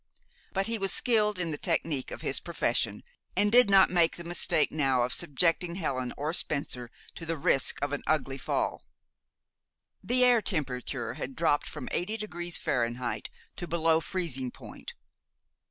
But he was skilled in the technic of his profession, and did not make the mistake now of subjecting Helen or Spencer to the risk of an ugly fall. The air temperature had dropped from eighty degrees Fahrenheit to below freezing point.